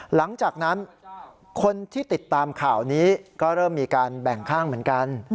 หลังจากนั้นคนที่ติดตามข่าวนี้ก็เริ่มมีการแบ่งข้างเหมือนกัน